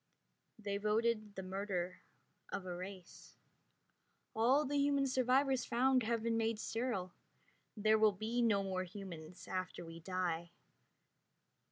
They voted the murder of a race. All the human survivors found have been made sterile. There will be no more humans after we die.